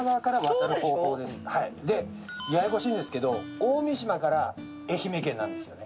ややこしいんですけど大三島から愛媛県なんですよね。